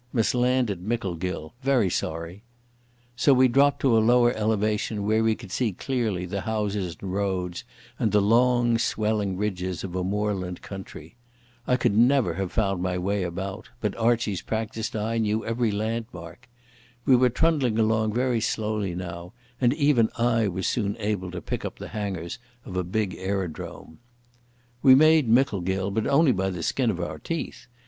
Must land at Micklegill. Very sorry." So we dropped to a lower elevation where we could see clearly the houses and roads and the long swelling ridges of a moorland country. I could never have found my way about, but Archie's practised eye knew every landmark. We were trundling along very slowly now, and even I was soon able to pick up the hangars of a big aerodrome. We made Micklegill, but only by the skin of our teeth.